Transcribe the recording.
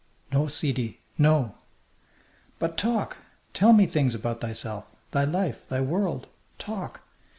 "No, sidi, no." "But talk! Tell me things about thyself, thy life, thy world. Talk!